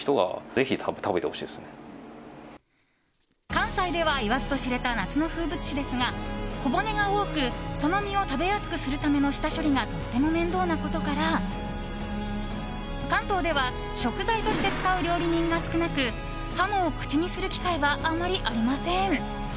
関西では言わずと知れた夏の風物詩ですが小骨が多く、その身を食べやすくするための下処理がとても面倒なことから関東では食材として使う料理人が少なくハモを口にする機会はあまりありません。